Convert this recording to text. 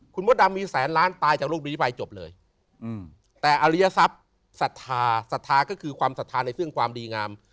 คุณมดดำมีแสนล้านตายจากโลกนี้ไปจบเลยแต่อริยศัพย์ศรัทธาศรัทธาก็คือความศรัทธาในเรื่องความดีงาม